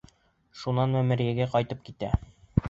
Шунан мәмерйәгә ҡайтып китә.